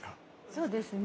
そうですね